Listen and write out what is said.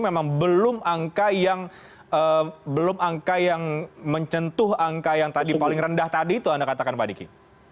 memang belum angka yang mencentuh angka yang paling rendah tadi itu anda katakan pak diki